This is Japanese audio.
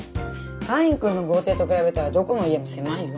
カインくんの豪邸と比べたらどこの家も狭いよ。